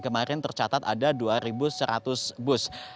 kemarin tercatat ada dua seratus bus